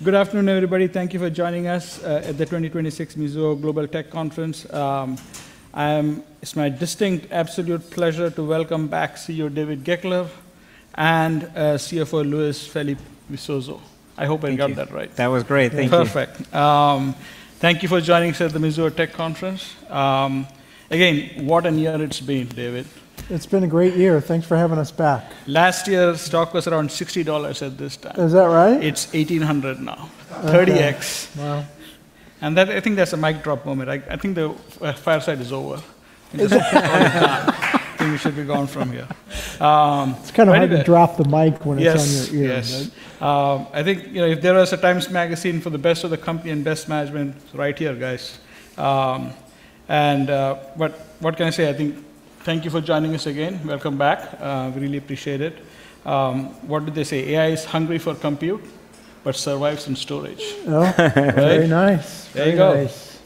Good afternoon, everybody. Thank you for joining us at the 2026 Mizuho Global Tech Conference. It's my distinct absolute pleasure to welcome back CEO David Goeckeler and CFO Luis Felipe Visoso. I hope I got that right. Thank you. That was great. Thank you. Perfect. Thank you for joining us at the Mizuho Tech Conference. What a year it's been, David. It's been a great year. Thanks for having us back. Last year, stock was around $60 at this time. Is that right? It's $1,800 now. Okay. 30x. Wow. I think that's a mic drop moment. I think the fireside is over. Is it? I think we should be gone from here. It's kind of hard to drop the mic when it's on your ear. Yes. I think, if there was a "Times" magazine for the best of the company and best management, it's right here, guys. What can I say? I think thank you for joining us again. Welcome back. We really appreciate it. What did they say? AI is hungry for compute, but survives on storage. Oh. Very nice. There you go.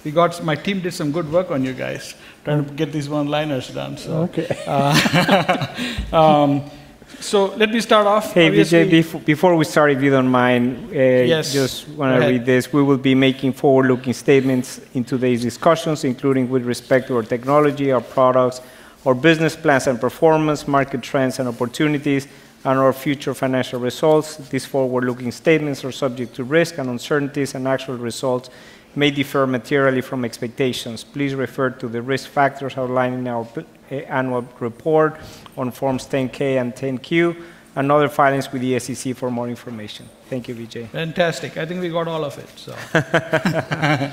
Very nice. My team did some good work on you guys, trying to get these one-liners done. Okay. Let me start off, obviously. Hey, VJ, before we start, if you don't mind. Yes. Go ahead. Just want to read this. We will be making forward-looking statements in today's discussions, including with respect to our technology, our products, our business plans and performance, market trends and opportunities, and our future financial results. These forward-looking statements are subject to risks and uncertainties, and actual results may differ materially from expectations. Please refer to the risk factors outlined in our annual report on Forms 10-K and 10-Q, and other filings with the SEC for more information. Thank you, VJ. Fantastic. I think we got all of it.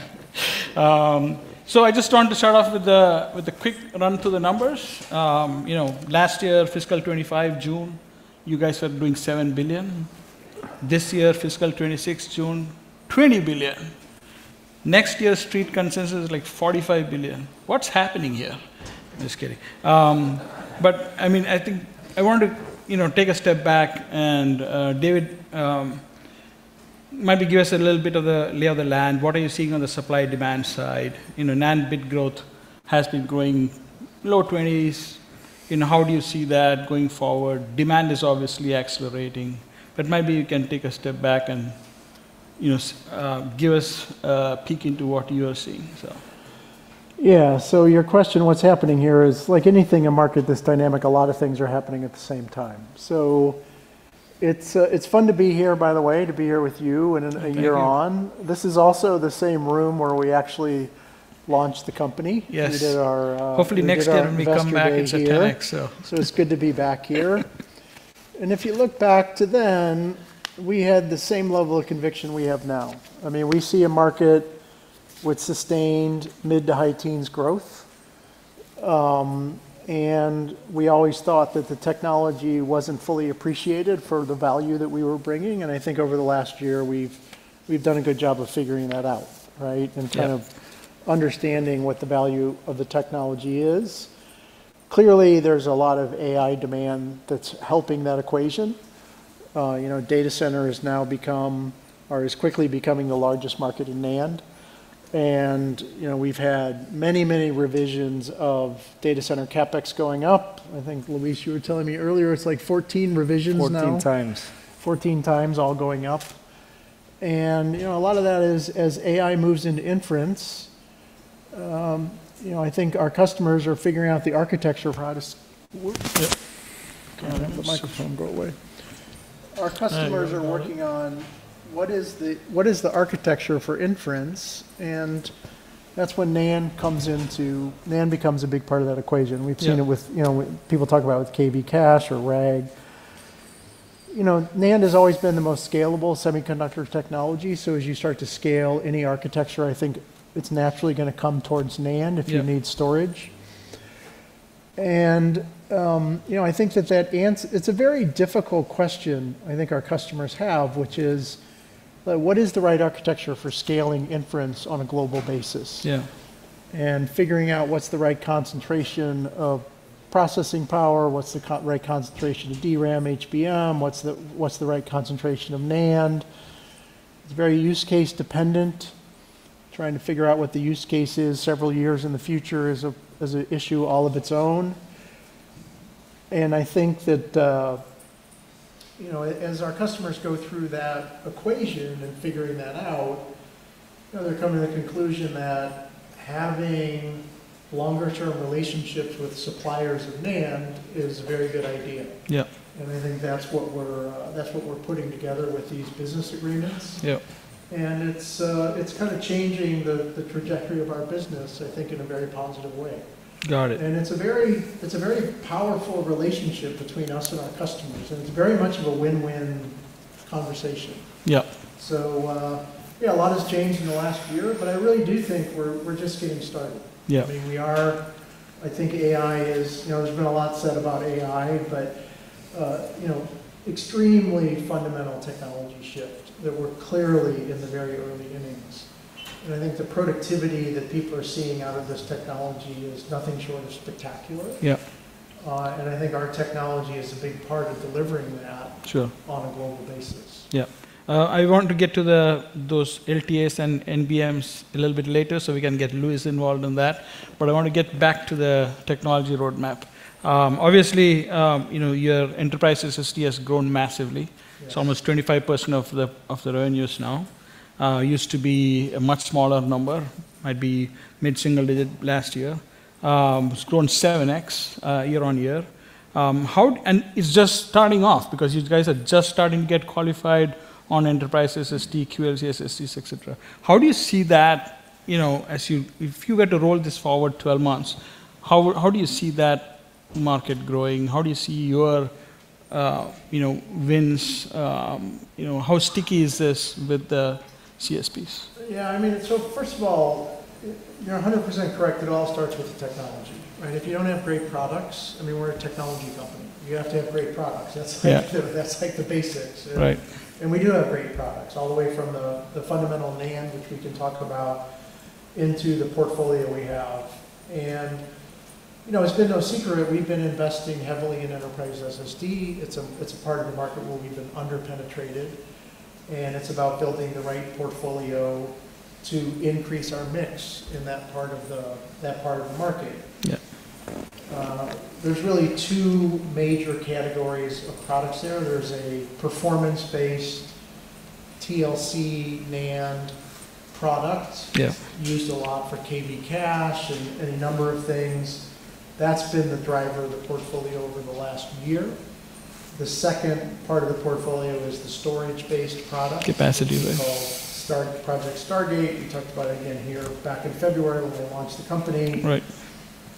I just wanted to start off with a quick run through the numbers. Last year, fiscal 2025, June, you guys were doing $7 billion. This year, fiscal 2026, June, $20 billion. Next year, street consensus is like $45 billion. What's happening here? I'm just kidding. I think I wanted to take a step back and, David, maybe give us a little bit of the lay of the land. What are you seeing on the supply-demand side? NAND bit growth has been growing low 20s. How do you see that going forward? Demand is obviously accelerating, but maybe you can take a step back and give us a peek into what you are seeing. Yeah. Your question, what's happening here, is like anything, a market this dynamic, a lot of things are happening at the same time. It's fun to be here, by the way, to be here with you in a year on. Thank you. This is also the same room where we actually launched the company. Yes. We did our investor day here. Hopefully next year, we come back, it's 10x. It's good to be back here. If you look back to then, we had the same level of conviction we have now. We see a market with sustained mid to high teens growth. We always thought that the technology wasn't fully appreciated for the value that we were bringing. I think over the last year, we've done a good job of figuring that out, right? Yeah. In terms of understanding what the value of the technology is. Clearly, there's a lot of AI demand that's helping that equation. Data center has now become or is quickly becoming the largest market in NAND. We've had many revisions of data center CapEx going up. I think, Luis, you were telling me earlier, it's 14 revisions now. 14 times. 14 times, all going up. A lot of that is as AI moves into inference. I think our customers are figuring out the architecture for how to. The microphone go away. Our customers. There you go. Are working on what is the architecture for inference? That's when NAND becomes a big part of that equation. Yeah. We've seen it with, people talk about with KV cache or RAG. NAND has always been the most scalable semiconductor technology. As you start to scale any architecture, I think it's naturally going to come towards NAND- Yeah. If you need storage. I think that it's a very difficult question, I think our customers have, which is: What is the right architecture for scaling inference on a global basis? Yeah. Figuring out what's the right concentration of processing power, what's the right concentration of DRAM, HBM, what's the right concentration of NAND. It's very use case dependent. Trying to figure out what the use case is several years in the future is an issue all of its own. I think that as our customers go through that equation and figuring that out, they're coming to the conclusion that having longer term relationships with suppliers of NAND is a very good idea. Yeah. I think that's what we're putting together with these business agreements. Yeah. It's changing the trajectory of our business, I think in a very positive way. Got it. It's a very powerful relationship between us and our customers, and it's very much of a win-win conversation. Yeah. A lot has changed in the last year, but I really do think we're just getting started. Yeah. There's been a lot said about AI, but extremely fundamental technology shift that we're clearly in the very early innings. I think the productivity that people are seeing out of this technology is nothing short of spectacular. Yeah. I think our technology is a big part of delivering that. Sure on a global basis. Yeah. I want to get to those LTAs and NVMs a little bit later so we can get Luis involved in that, but I want to get back to the technology roadmap. Obviously, your enterprise SSD has grown massively. Yes. It's almost 25% of the revenues now. Used to be a much smaller number, might be mid-single digit last year. It's grown 7x year-over-year. It's just starting off because you guys are just starting to get qualified on enterprise SSD, QLC SSDs, et cetera. How do you see that if you were to roll this forward 12 months, how do you see that market growing? How do you see your wins? How sticky is this with the CSPs? Yeah. First of all, you're 100% correct. It all starts with the technology, right? If you don't have great products, we're a technology company. You have to have great products. Yeah. That's like the basics. Right. We do have great products, all the way from the fundamental NAND, which we can talk about, into the portfolio we have. It's been no secret, we've been investing heavily in enterprise SSD. It's a part of the market where we've been under-penetrated, and it's about building the right portfolio to increase our mix in that part of the market. Yeah. There's really two major categories of products there. There's a performance-based TLC NAND product. Yeah. Used a lot for KV cache and a number of things. That's been the driver of the portfolio over the last year. The second part of the portfolio is the storage-based product. Capacity-based. It's called Stargate Project. We talked about it again here back in February when we launched the company. Right.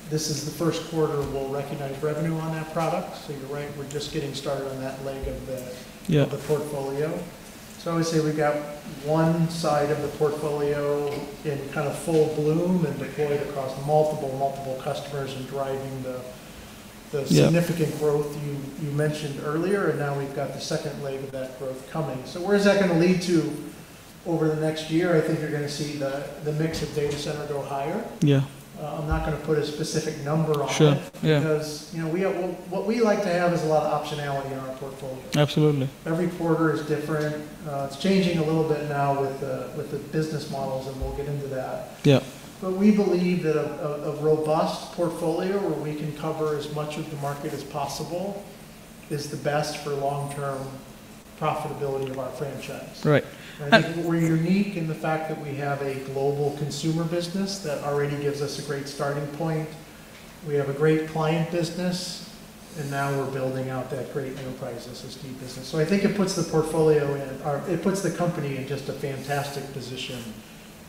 This is the first quarter we'll recognize revenue on that product. You're right, we're just getting started on that leg of the. Yeah. Of the portfolio. Obviously, we've got one side of the portfolio in full bloom and deployed across multiple customers and driving the. Yeah. Significant growth you mentioned earlier. Now we've got the second leg of that growth coming. Where's that going to lead to over the next year? I think you're going to see the mix of data center go higher. Yeah. I'm not going to put a specific number on it. Sure. Yeah. What we like to have is a lot of optionality in our portfolio. Absolutely. Every quarter is different. It's changing a little bit now with the business models. We'll get into that. Yeah. We believe that a robust portfolio where we can cover as much of the market as possible is the best for long-term profitability of our franchise. Right. I think we're unique in the fact that we have a global consumer business that already gives us a great starting point. We have a great client business, and now we're building out that great enterprise SSD business. I think it puts the company in just a fantastic position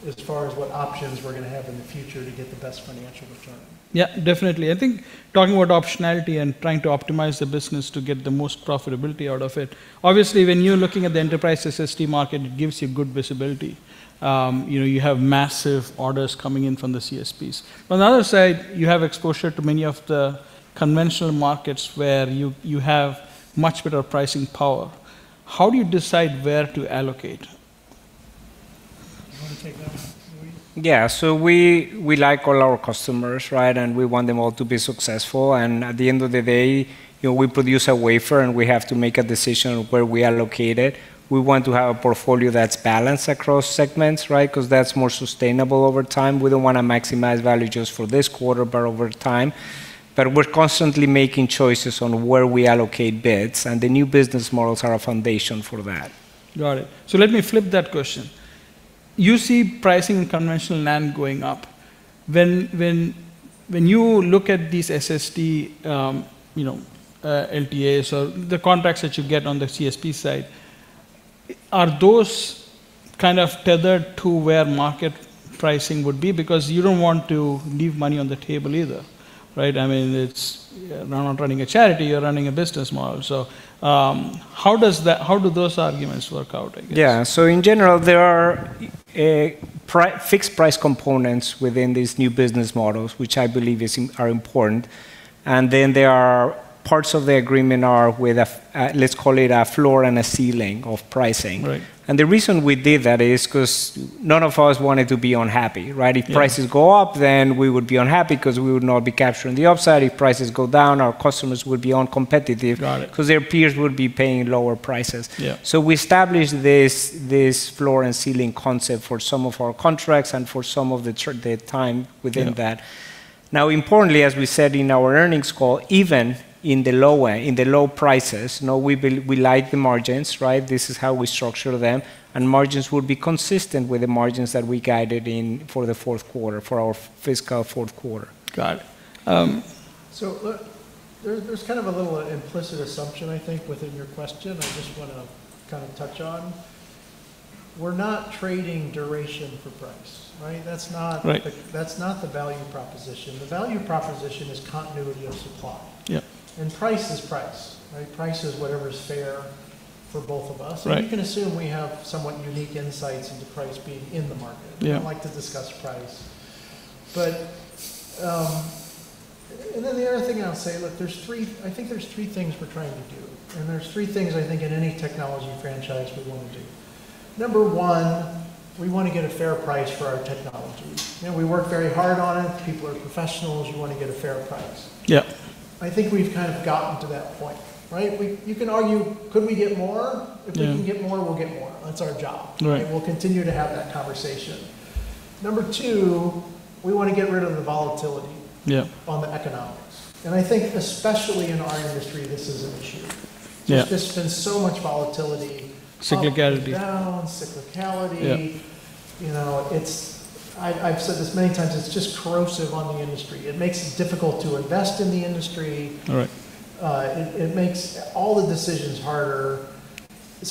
as far as what options we're going to have in the future to get the best financial return. Yeah, definitely. I think talking about optionality and trying to optimize the business to get the most profitability out of it, obviously, when you're looking at the enterprise SSD market, it gives you good visibility. You have massive orders coming in from the CSPs. On the other side, you have exposure to many of the conventional markets where you have much better pricing power. How do you decide where to allocate? You want to take that one, Luis? Yeah, we like all our customers, right? We want them all to be successful. At the end of the day, we produce a wafer and we have to make a decision where we allocate it. We want to have a portfolio that's balanced across segments, right? Because that's more sustainable over time. We don't want to maximize value just for this quarter, but over time. We're constantly making choices on where we allocate BiCS, and the new business models are a foundation for that. Got it. Let me flip that question. You see pricing in conventional NAND going up. When you look at these SSD LTAs or the contracts that you get on the CSP side, are those tethered to where market pricing would be? You don't want to leave money on the table either. Right? You're not running a charity, you're running a business model. How do those arguments work out, I guess? In general, there are fixed price components within these new business models, which I believe are important. There are parts of the agreement are with a, let's call it a floor and a ceiling of pricing. Right. The reason we did that is because none of us wanted to be unhappy, right? Yeah. If prices go up, we would be unhappy because we would not be capturing the upside. If prices go down, our customers would be uncompetitive- Got it. Their peers would be paying lower prices. Yeah. We established this floor and ceiling concept for some of our contracts and for some of the time within that. Yeah. Importantly, as we said in our earnings call, even in the low prices, we like the margins. This is how we structure them. Margins will be consistent with the margins that we guided in for the fourth quarter, for our fiscal fourth quarter. Got it. There's a little implicit assumption, I think, within your question I just want to touch on. We're not trading duration for price, right? Right. That's not the value proposition. The value proposition is continuity of supply. Yeah. Price is price. Price is whatever's fair for both of us. Right. You can assume we have somewhat unique insights into price being in the market. Yeah. I don't like to discuss price. The other thing I'll say, look, I think there's three things we're trying to do, and there's three things I think in any technology franchise we want to do. Number one, we want to get a fair price for our technology. We work very hard on it. People are professionals. We want to get a fair price. Yeah. I think we've gotten to that point. You can argue, could we get more? Yeah. If we can get more, we'll get more. That's our job. Right. We'll continue to have that conversation. Number two, we want to get rid of the volatility. Yeah. On the economics. I think especially in our industry, this is an issue. Yeah. There's been so much volatility. Cyclicality. Up and down, cyclicality. Yeah. I've said this many times, it's just corrosive on the industry. It makes it difficult to invest in the industry. Right. It makes all the decisions harder.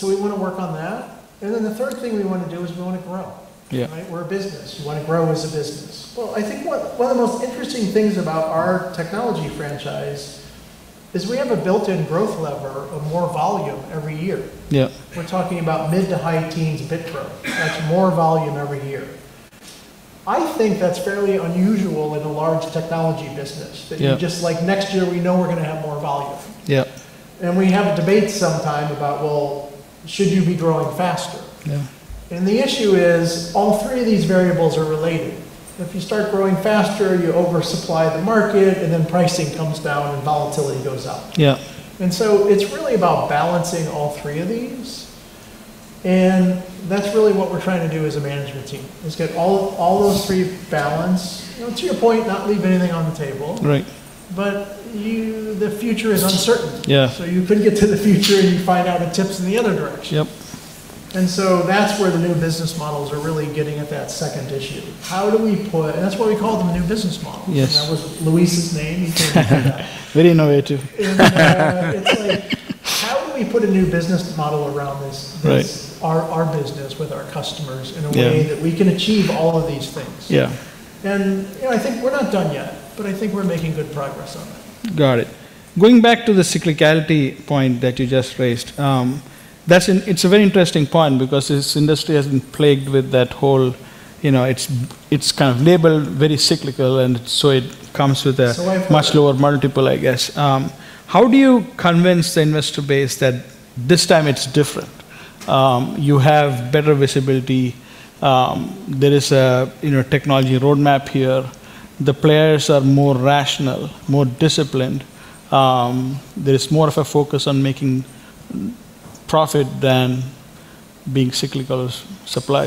We want to work on that. The third thing we want to do is we want to grow. Yeah. We're a business. We want to grow as a business. Well, I think one of the most interesting things about our technology franchise is we have a built-in growth lever of more volume every year. Yeah. We're talking about mid to high teens bit growth. That's more volume every year. I think that's fairly unusual in a large technology business. Yeah. That just, like next year, we know we're going to have more volume. Yeah. We have a debate sometime about, well, should you be growing faster? Yeah. The issue is all three of these variables are related. If you start growing faster, you oversupply the market, and then pricing comes down and volatility goes up. Yeah. It's really about balancing all three of these, and that's really what we're trying to do as a management team, is get all those three balanced. To your point, not leave anything on the table. Right. The future is uncertain. Yeah. You can get to the future, and you find out it tips in the other direction. Yep. That's where the new business models are really getting at that second issue. That's why we call them new business models. Yes. That was Luis's name. He came up with that. Very innovative. It's like, how do we put a new business model around this. Right. Our business with our customers in a way Yeah. That we can achieve all of these things? Yeah. I think we're not done yet, but I think we're making good progress on that. Got it. Going back to the cyclicality point that you just raised, it's a very interesting point because this industry has been plagued with that. It's kind of labeled very cyclical, and so it comes with. I've heard. Much lower multiple, I guess. How do you convince the investor base that this time it's different? You have better visibility. There is a technology roadmap here. The players are more rational, more disciplined. There is more of a focus on making profit than being cyclical supply.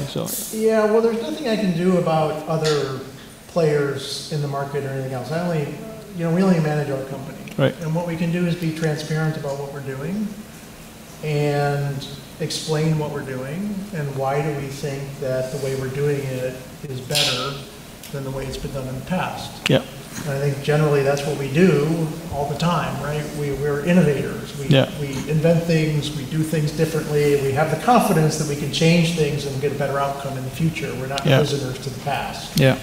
Yeah. Well, there's nothing I can do about other players in the market or anything else. We only manage our company. Right. What we can do is be transparent about what we're doing and explain what we're doing and why do we think that the way we're doing it is better than the way it's been done in the past. Yeah. I think generally that's what we do all the time. We're innovators. Yeah. We invent things. We do things differently. We have the confidence that we can change things and get a better outcome in the future. Yeah. We're not prisoners to the past. Yeah.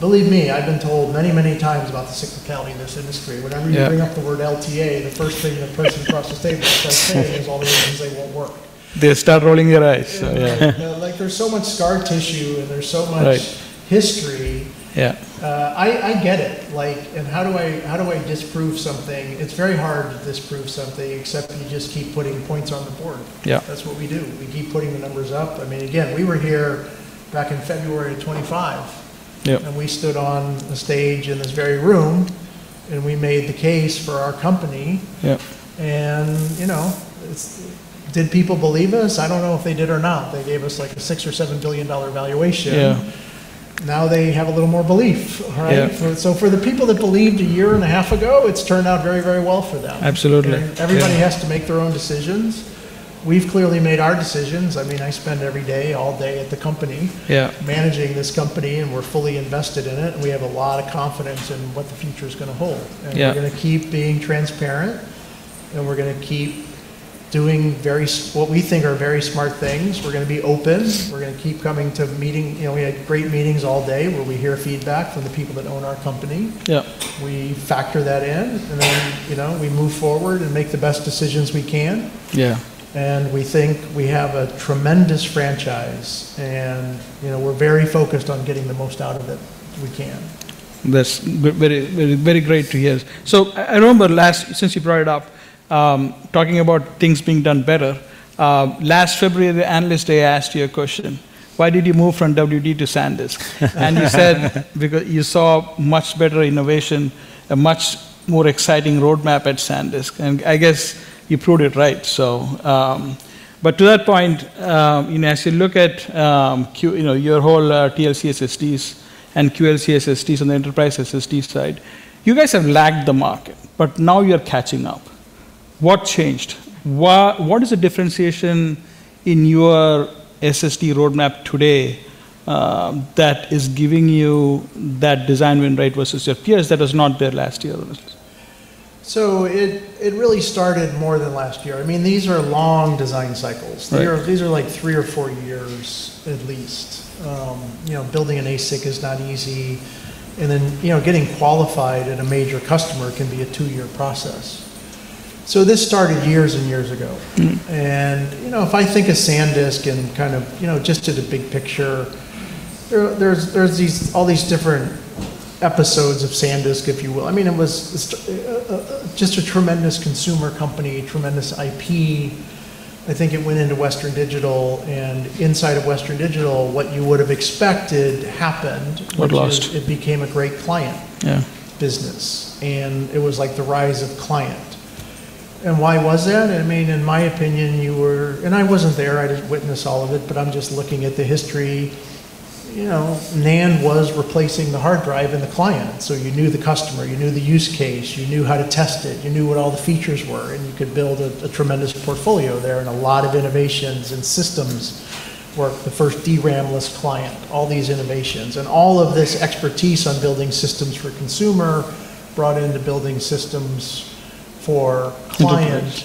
Believe me, I've been told many, many times about the cyclicality in this industry. Yeah. Whenever you bring up the word LTA, the first thing the person across the table starts saying is all the reasons they won't work. They start rolling their eyes. Yeah. There's so much scar tissue, and there's so much Right. History. Yeah. I get it. How do I disprove something? It's very hard to disprove something, except you just keep putting points on the board. Yeah. That's what we do. We keep putting the numbers up. Again, we were here back in February of 2025. Yeah. We stood on a stage in this very room, and we made the case for our company. Yeah. Did people believe us? I don't know if they did or not. They gave us, like, a $6 or $7 billion valuation. Yeah. Now they have a little more belief, right? Yeah. For the people that believed a year and a half ago, it's turned out very, very well for them. Absolutely. Everybody has to make their own decisions. We've clearly made our decisions. I spend every day, all day at the company- Yeah. Managing this company, and we're fully invested in it, and we have a lot of confidence in what the future's going to hold. Yeah. We're going to keep being transparent, and we're going to keep doing what we think are very smart things. We're going to be open. We're going to keep coming to meetings. We had great meetings all day, where we hear feedback from the people that own our company. Yeah. We factor that in, and then we move forward and make the best decisions we can. Yeah. We think we have a tremendous franchise, and we're very focused on getting the most out of it we can. That's very great to hear. I remember last, since you brought it up, talking about things being done better. Last February, the analyst day asked you a question, "Why did you move from WD to Sandisk?" you said because you saw much better innovation, a much more exciting roadmap at Sandisk. I guess you proved it right. to that point, as you look at your whole TLC SSDs and QLC SSDs on the enterprise SSD side, you guys have lagged the market, but now you're catching up. What changed? What is the differentiation in your SSD roadmap today that is giving you that design win rate versus your peers that was not there last year? It really started more than last year. These are long design cycles. Right. These are, like, three or four years at least. Building an ASIC is not easy. then getting qualified at a major customer can be a two-year process. this started years and years ago. if I think of Sandisk and just at a big picture-There's all these different episodes of Sandisk, if you will. It was just a tremendous consumer company, tremendous IP. I think it went into Western Digital, and inside of Western Digital, what you would have expected happened- Got lost. Which is it became a great client Yeah. Business. It was like the rise of client. Why was that? In my opinion, you were, and I wasn't there. I didn't witness all of it, but I'm just looking at the history. NAND was replacing the hard drive and the client, so you knew the customer, you knew the use case, you knew how to test it, you knew what all the features were, and you could build a tremendous portfolio there, and a lot of innovations and systems for the first DRAM-less client, all these innovations. All of this expertise on building systems for consumer brought into building systems for clients.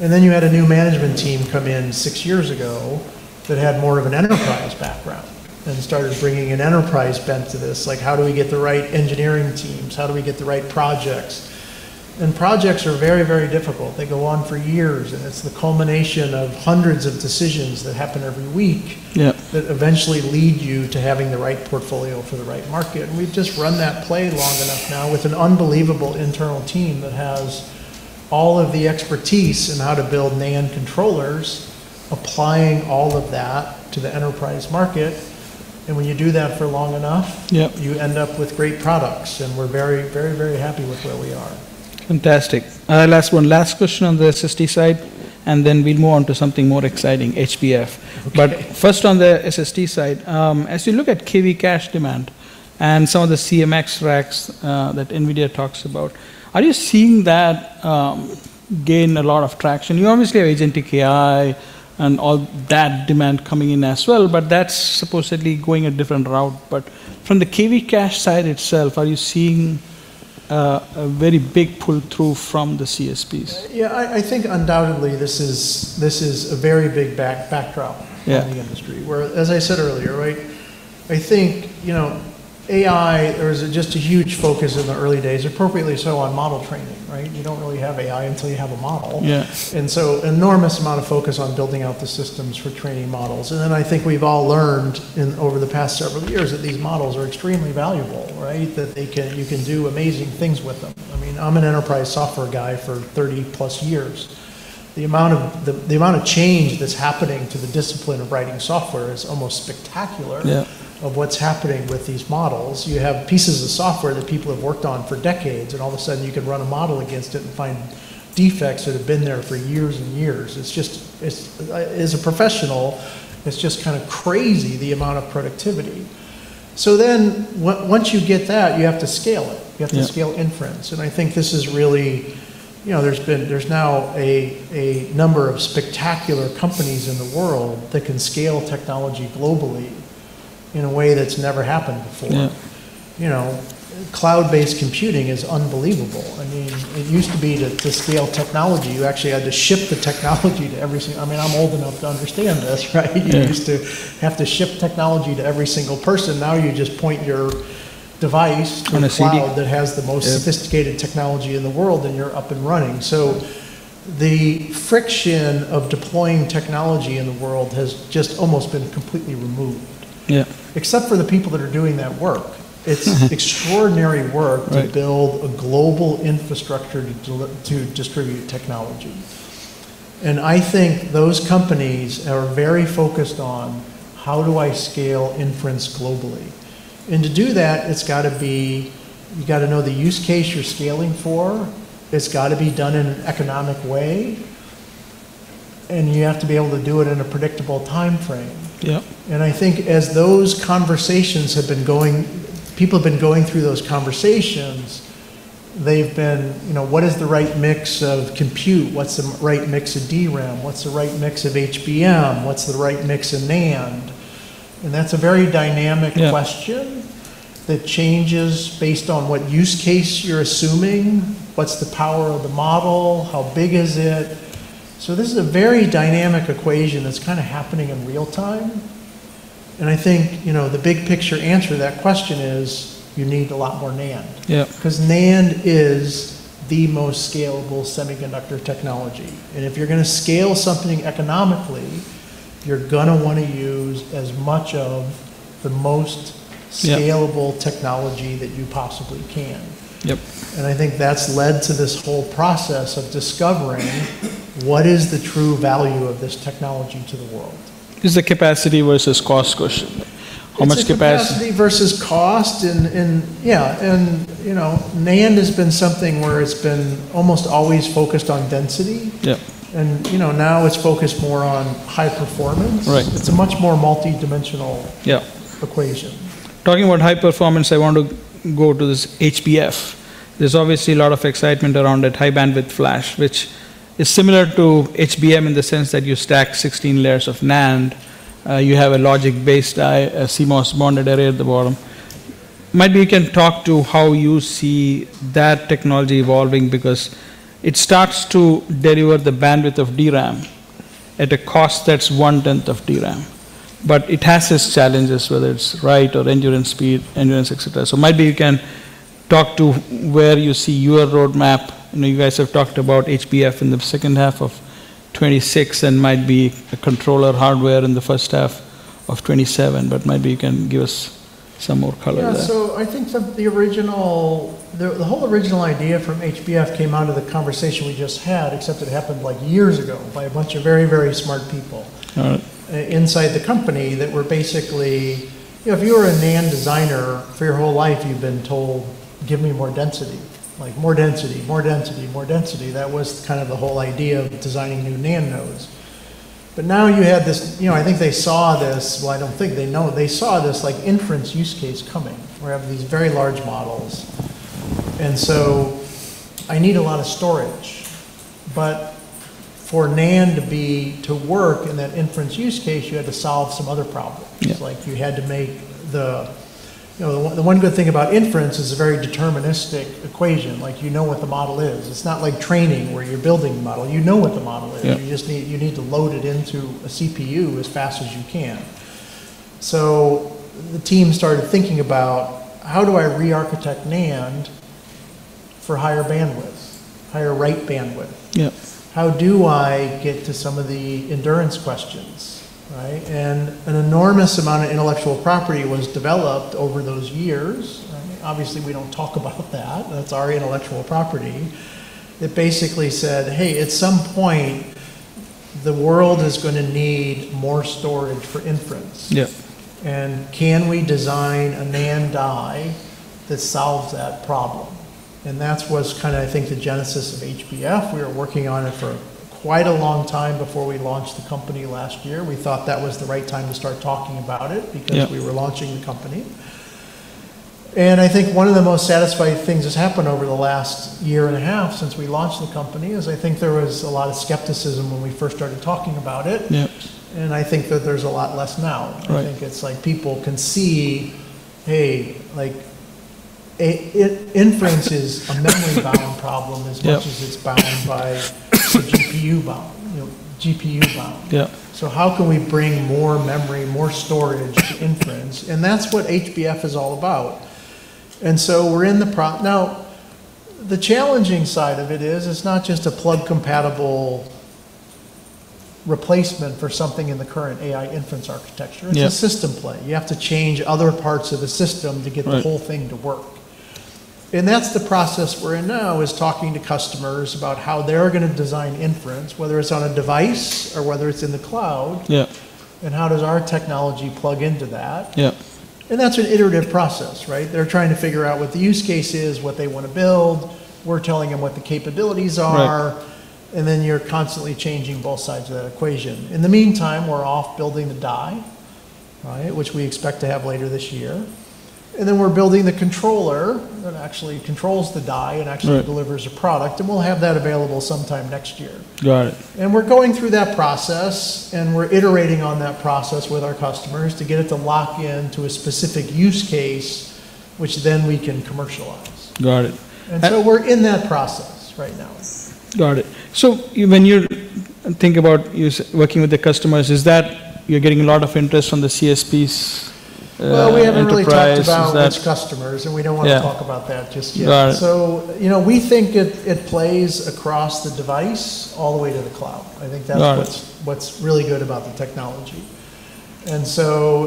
Enterprise. You had a new management team come in six years ago that had more of an enterprise background and started bringing an enterprise bent to this, like how do we get the right engineering teams? How do we get the right projects? Projects are very, very difficult. They go on for years, and it's the culmination of hundreds of decisions that happen every week. Yeah. That eventually lead you to having the right portfolio for the right market. we've just run that play long enough now with an unbelievable internal team that has all of the expertise in how to build NAND controllers, applying all of that to the enterprise market. when you do that for long enough- Yep. You end up with great products. we're very, very happy with where we are. Fantastic. Last one. Last question on the SSD side, and then we'll move on to something more exciting, HBF. Okay. First, on the SSD side, as you look at KV cache demand and some of the CMX racks that NVIDIA talks about, are you seeing that gain a lot of traction? You obviously have agentic AI and all that demand coming in as well, but that's supposedly going a different route. from the KV cache side itself, are you seeing a very big pull-through from the CSPs? Yeah. I think undoubtedly this is a very big backdrop- Yeah. In the industry, where, as I said earlier, I think, AI, there was just a huge focus in the early days, appropriately so, on model training. You don't really have AI until you have a model. Yes. Enormous amount of focus on building out the systems for training models. I think we've all learned over the past several years that these models are extremely valuable. That you can do amazing things with them. I'm an enterprise software guy for 30+ years. The amount of change that's happening to the discipline of writing software is almost spectacular- Yeah. Once you get that, you have to scale it. Yeah. You have to scale inference. I think there's now a number of spectacular companies in the world that can scale technology globally in a way that's never happened before. Yeah. Cloud-based computing is unbelievable. It used to be, to scale technology, you actually had to ship the technology to every single. I'm old enough to understand this. Yeah. You used to have to ship technology to every single person. Now you just point your device On a CD. To the cloud that has the most- Yeah. Sophisticated technology in the world, and you're up and running. The friction of deploying technology in the world has just almost been completely removed. Yeah. Except for the people that are doing that work. It's extraordinary work- Right. To build a global infrastructure to distribute technology. I think those companies are very focused on, how do I scale inference globally? To do that, you've got to know the use case you're scaling for. It's got to be done in an economic way. You have to be able to do it in a predictable timeframe. Yep. I think as people have been going through those conversations, they've been, what is the right mix of compute? What's the right mix of DRAM? What's the right mix of HBM? What's the right mix of NAND? And that's a very dynamic question- Yeah. That changes based on what use case you're assuming. What's the power of the model? How big is it? this is a very dynamic equation that's kind of happening in real time. And I think, the big-picture answer to that question is you need a lot more NAND. Yeah. Because NAND is the most scalable semiconductor technology. And if you're going to scale something economically, you're going to want to use as much of the most- Yeah. Scalable technology that you possibly can. Yep. I think that's led to this whole process of discovering what is the true value of this technology to the world. It's a capacity versus cost question. How much capacity- It's a capacity versus cost, and yeah. NAND has been something where it's been almost always focused on density. Yeah. Now it's focused more on high performance. Right. It's a much more multidimensional- Yeah. Equation. Talking about high performance, I want to go to this HBF. There's obviously a lot of excitement around that high-bandwidth flash, which is similar to HBM in the sense that you stack 16 layers of NAND. You have a logic-based CMOS bonded array at the bottom. Maybe we can talk to how you see that technology evolving, because it starts to deliver the bandwidth of DRAM at a cost that's 1/10 of DRAM. It has its challenges, whether it's write or endurance, speed, endurance, et cetera. Maybe we can talk to where you see your roadmap. I know you guys have talked about HBF in the second half of 2026 and might be the controller hardware in the first half of 2027, but maybe you can give us some more color there. Yeah. I think the whole original idea from HBF came out of the conversation we just had, except it happened years ago by a bunch of very smart people- inside the company that were basically. If you were a NAND designer, for your whole life, you've been told, "Give me more density." More density. That was kind of the whole idea of designing new NAND nodes. Now you have this. I think they saw this. Well, I don't think they know they saw this inference use case coming, where you have these very large models. I need a lot of storage. For NAND to work in that inference use case, you had to solve some other problems. Yeah. The one good thing about inference is a very deterministic equation. You know what the model is. It's not like training, where you're building the model. You know what the model is. Yeah. You need to load it into a CPU as fast as you can. The team started thinking about, how do I re-architect NAND for higher bandwidth, higher write bandwidth? Yeah. How do I get to some of the endurance questions, right? An enormous amount of intellectual property was developed over those years, right? Obviously, we don't talk about that. That's our intellectual property. It basically said, "Hey, at some point, the world is going to need more storage for inference. Yeah. Can we design a NAND die that solves that problem? That was kind of, I think, the genesis of HBF. We were working on it for quite a long time before we launched the company last year. We thought that was the right time to start talking about it- Yeah. Because we were launching the company. I think one of the most satisfying things that's happened over the last year and a half since we launched the company is, I think there was a lot of skepticism when we first started talking about it. Yeah. I think that there's a lot less now. Right. I think it's like people can see, hey, inference is a memory-bound problem as much as it's bound by the GPU bound. Yeah. How can we bring more memory, more storage to inference? That's what HBF is all about. Now, the challenging side of it is, it's not just a plug-compatible replacement for something in the current AI inference architecture. Yeah. It's a system play. You have to change other parts of the system to get- Right. The whole thing to work. that's the process we're in now, is talking to customers about how they're going to design inference, whether it's on a device or whether it's in the cloud. Yeah. How does our technology plug into that? Yeah. That's an iterative process, right? They're trying to figure out what the use case is, what they want to build. We're telling them what the capabilities are. Right. You're constantly changing both sides of that equation. In the meantime, we're off building the die, right, which we expect to have later this year. we're building the controller that actually controls the die and actually- Right. Delivers a product, and we'll have that available sometime next year. Got it. We're going through that process, and we're iterating on that process with our customers to get it to lock into a specific use case, which then we can commercialize. Got it. We're in that process right now. Got it. when you think about working with the customers, is that you're getting a lot of interest from the CSPs enterprise? Is that- Well, we haven't really talked about which customers, and we don't want to- Yeah. Talk about that just yet. Got it. We think it plays across the device all the way to the cloud. I think that's Got it. what's really good about the technology.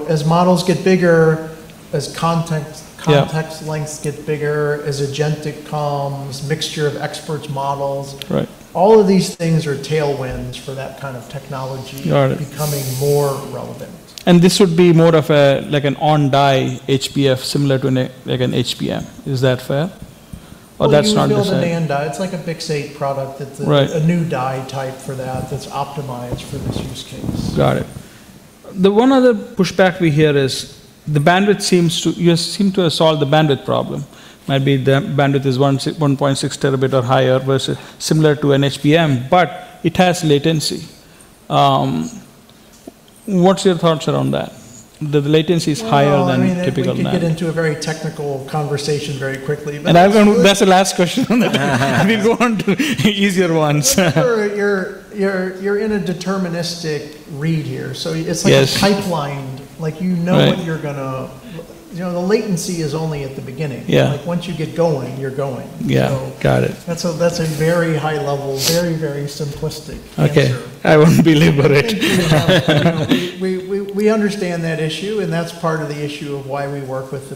as models get bigger, as context- Yeah. Lengths get bigger, as agentic comes, mixture of experts models- Right. All of these things are tailwinds for that kind of technology- Got it. Becoming more relevant. This would be more of an on-die HBM, similar to an HBM. Is that fair? that's not the same? Well, you would build a NAND die. It's like a big state product. Right. A new die type for that's optimized for this use case. Got it. The one other pushback we hear is, you seem to have solved the bandwidth problem. Maybe the bandwidth is 1.6 Tb or higher, similar to an HBM, but it has latency. What's your thoughts around that? The latency is higher than typical NAND. Well, we could get into a very technical conversation very quickly. That's the last question on that. We'll go on to easier ones. You're in a deterministic read here, so it's like- Yes. Pipelined. You know what you're going to. The latency is only at the beginning. Yeah. Once you get going, you're going. Yeah. Got it. That's a very high-level, very simplistic answer. Okay. I won't belabor it. Thank you. We understand that issue, and that's part of the issue of why we work as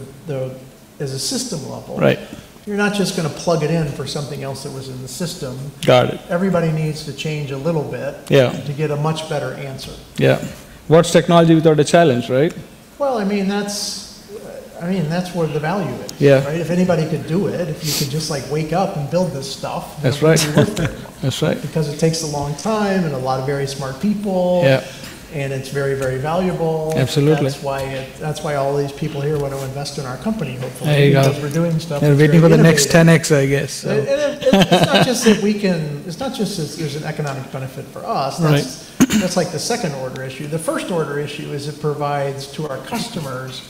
a system level. Right. You're not just going to plug it in for something else that was in the system. Got it. Everybody needs to change a little bit Yeah. To get a much better answer. Yeah. What's technology without a challenge, right? Well, that's where the value is. Yeah. If anybody could do it, if you could just wake up and build this stuff- That's right. That's right Because it takes a long time and a lot of very smart people. Yeah. It's very valuable. Absolutely. That's why all these people here want to invest in our company, hopefully- There you go. Because we're doing stuff that's very innovative. Waiting for the next 10x, I guess. It's not just that there's an economic benefit for us. Right. That's like the second-order issue. The first-order issue is it provides to our customers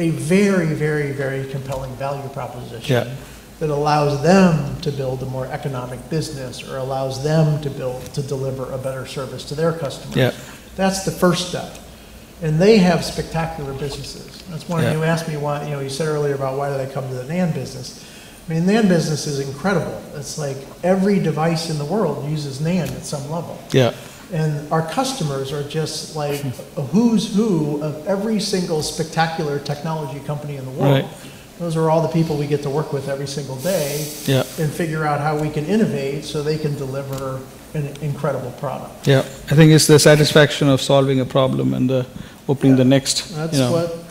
a very compelling value proposition Yeah. That allows them to build a more economic business or allows them to build, to deliver a better service to their customers. Yeah. That's the first step. They have spectacular businesses. Yeah. That's why you asked me why, you said earlier about why did I come to the NAND business. The NAND business is incredible. It's like every device in the world uses NAND at some level. Yeah. Our customers are just like a who's who of every single spectacular technology company in the world. Right. Those are all the people we get to work with every single day. Yeah. Figure out how we can innovate so they can deliver an incredible product. Yeah. I think it's the satisfaction of solving a problem and opening the next-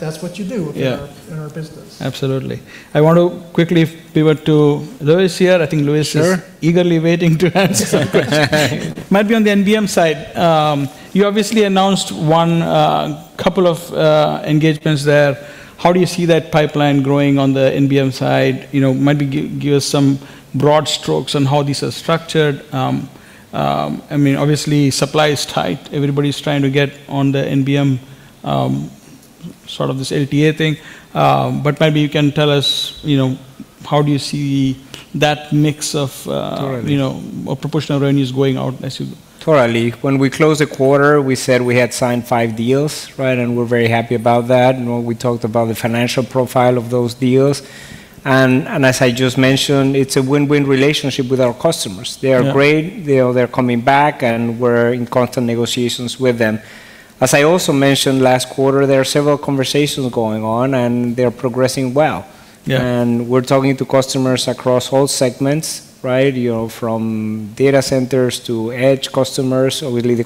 That's what you do- Yeah. In our business. Absolutely. I want to quickly pivot to Luis here. I think Luis is- Sure. Eagerly waiting to answer. Might be on the NVM side. You obviously announced one couple of engagements there. How do you see that pipeline growing on the NVM side? Maybe give us some broad strokes on how these are structured. Obviously, supply is tight. Everybody's trying to get on the NVM, sort of this LTA thing. maybe you can tell us, how do you see that mix of- Totally. Proportion of revenues going out as you- Totally. When we closed the quarter, we said we had signed five deals. Right? we're very happy about that. we talked about the financial profile of those deals. as I just mentioned, it's a win-win relationship with our customers. Yeah. They are great. They're coming back, and we're in constant negotiations with them. As I also mentioned last quarter, there are several conversations going on, and they're progressing well. Yeah. We're talking to customers across all segments, right? From data centers to edge customers. Obviously,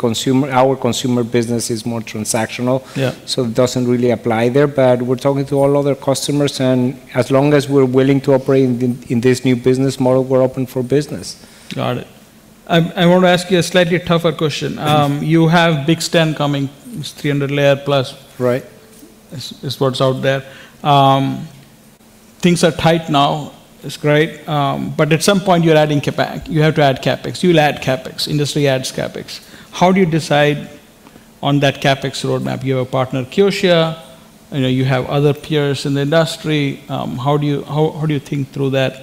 our consumer business is more transactional- Yeah. It doesn't really apply there. But we're talking to all other customers, and as long as we're willing to operate in this new business model, we're open for business. Got it. I want to ask you a slightly tougher question. You have BiCS coming. It's 300+ layer. Right. Is what's out there. Things are tight now. It's great. at some point, you're adding CapEx. You have to add CapEx. You'll add CapEx. Industry adds CapEx. How do you decide on that CapEx roadmap? You have a partner, Kioxia. You have other peers in the industry. How do you think through that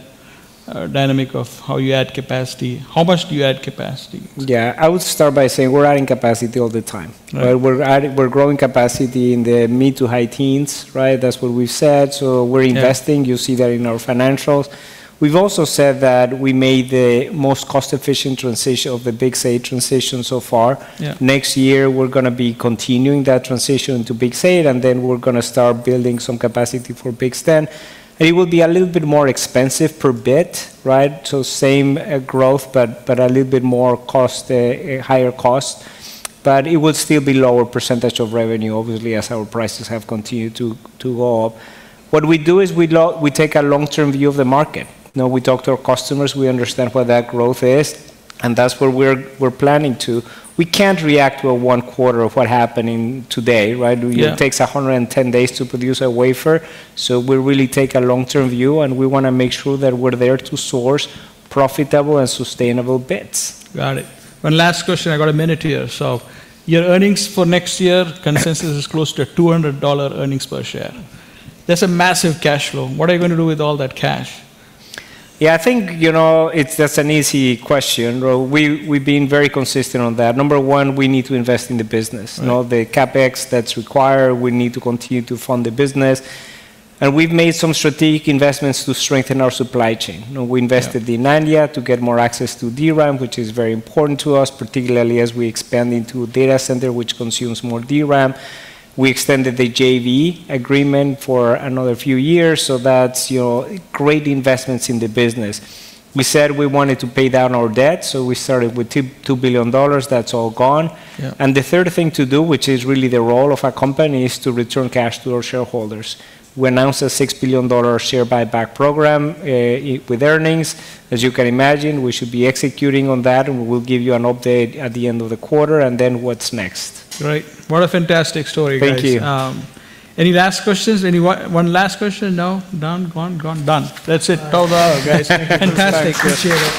dynamic of how you add capacity? How much do you add capacity? Yeah. I would start by saying we're adding capacity all the time. Right. We're growing capacity in the mid to high teens, right? That's what we've said. we're investing. Yeah. You see that in our financials. We've also said that we made the most cost-efficient transition of the BiCS transition so far. Yeah. Next year, we're going to be continuing that transition to BiCS 8, and then we're going to start building some capacity for BiCS 10. It will be a little bit more expensive per bit, right? same growth, but a little bit more higher cost. it would still be lower percentage of revenue, obviously, as our prices have continued to go up. What we do is we take a long-term view of the market. Now we talk to our customers, we understand where that growth is, and that's where we're planning to. We can't react to a one quarter of what happening today, right? Yeah. It takes 110 days to produce a wafer. we really take a long-term view, and we want to make sure that we're there to source profitable and sustainable bits. Got it. One last question. I got a minute here. your earnings for next year consensus is close to $200 earnings per share. That's a massive cash flow. What are you going to do with all that cash? Yeah, I think that's an easy question. We've been very consistent on that. Number one, we need to invest in the business. Right. The CapEx that's required, we need to continue to fund the business. We've made some strategic investments to strengthen our supply chain. Yeah. We invested in Nanya to get more access to DRAM, which is very important to us, particularly as we expand into data center, which consumes more DRAM. We extended the JV agreement for another few years, so that's great investments in the business. We said we wanted to pay down our debt, so we started with $2 billion. That's all gone. Yeah. The third thing to do, which is really the role of our company, is to return cash to our shareholders. We announced a $6 billion share buyback program with earnings. As you can imagine, we should be executing on that, and we will give you an update at the end of the quarter and then what's next. Great. What a fantastic story, guys. Thank you. Any last questions? One last question? No? Done? Gone? Gone. Done. That's it. 12 hour, guys. Fantastic. Appreciate it